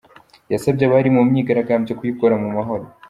Yasabye abari mu myigaragambyo kuyikora mu mahoro.